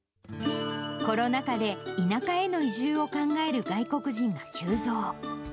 コロナ禍で、田舎への移住を考える外国人が急増。